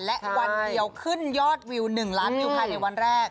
และวันเดียวขึ้นยอดวิว๑ล้านวิวภายในวันแรก